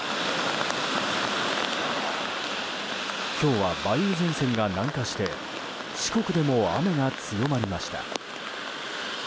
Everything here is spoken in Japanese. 今日は梅雨前線が南下して四国でも雨が強まりました。